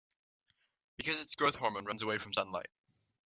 Because its growth hormone runs away from sunlight.